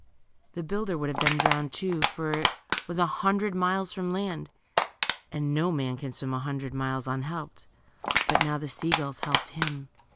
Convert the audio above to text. The builder would have been drowned, too, for it was a hundred miles from land, and no man can swim a hundred miles unhelped. But now the sea gulls helped him.